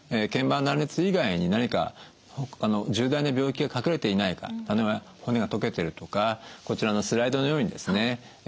腱板断裂以外に何か重大な病気が隠れていないか例えば骨が溶けてるとかこちらのスライドのようにですね